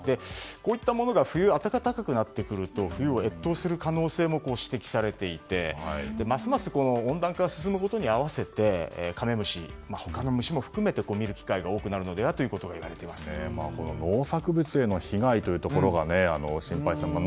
こういったものが冬が暖かくなってくると冬は越冬する可能性も指摘されていてますます温暖化が進むことに合わせてカメムシや他の虫を含めて見る機会が農作物への被害というところが心配されますね。